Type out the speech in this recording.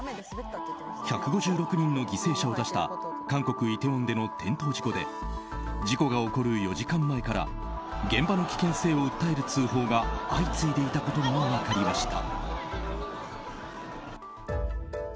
１５６人の犠牲者を出した韓国イテウォンでの転倒事故で事故が起こる４時間前から現場の危険性を訴える通報が相次いでいたことが分かりました。